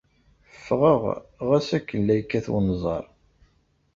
Ffɣeɣ, ɣas akken la yekkat unẓar.